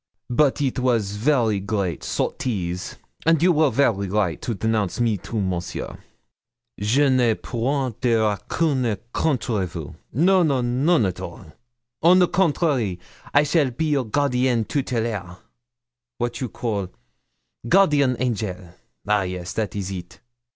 But it was very great sottise, and you were very right to denounce me to Monsieur. Je n'ai point de rancune contre vous. No, no, none at all. On the contrary, I shall be your gardienne tutelaire wat you call? guardian angel ah, yes, that is it.